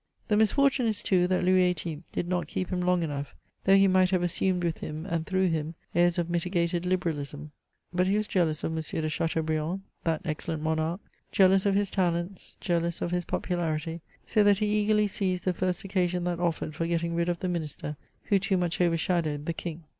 The misfortune is, too, that Loliis XVIII did not keep him long enough, though he might have assumed with him, and through him, airs of mitigated liberalism. But he was jealous t^ CHATEAUBRIAND. 2 1 of M. de Chateaubriand — that excellent Monarch — jealous of his talents, jealous of his popularity, so that he eagerly seized the first occasion that offered for getting rid of the Minister, who too much overshadowed the King.